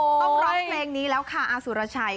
ต้องร้องเพลงนี้แล้วค่ะอาสุรชัย